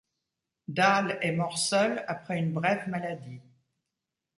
Dahl est mort seul après une brève maladie.